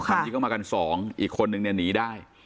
ค่ะอีกเข้ามากันสองอีกคนหนึ่งเนี่ยหนีได้